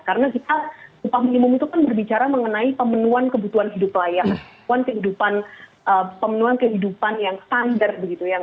karena kita upah minimum itu kan berbicara mengenai pemenuhan kebutuhan hidup layak pemenuhan kehidupan yang standar begitu